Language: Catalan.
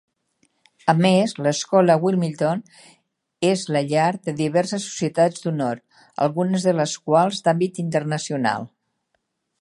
A més, l'escola Wilmington és la llar de diverses societats d'honor, algunes de les quals d'àmbit internacional.